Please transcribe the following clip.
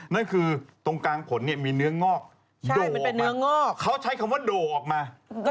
นั่นคือตรงกลางขนมีเนื้องอกโดอออกมา